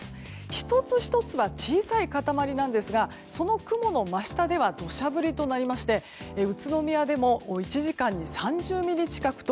１つ１つは小さい塊なんですがその雲の真下では土砂降りとなりまして宇都宮でも１時間に３０ミリ近くと